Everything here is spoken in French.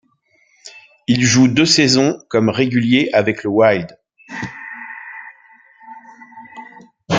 Il joue deux saisons comme régulier avec le Wild.